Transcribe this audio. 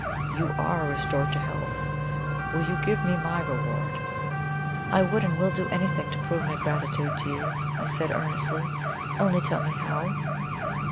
You ARE restored to health; will you give me my reward?" "I would and will do anything to prove my gratitude to you," I said earnestly. "Only tell me how."